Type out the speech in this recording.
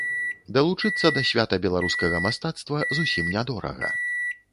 Далучыцца да свята беларускага мастацтва зусім нядорага.